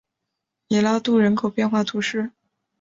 米拉杜人口变化图示